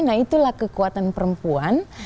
nah itulah kekuatan perempuan